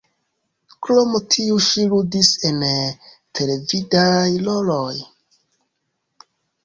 Krom tio ŝi ludis en televidaj roloj.